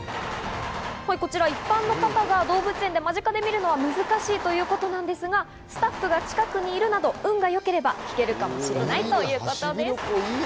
一般の方が動物園で間近で見るのは難しいということなんですが、スタッフが近くにいるなど、運が良ければ聞けるかもしれないということです。